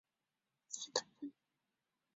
他的尸体随后被分成四等分。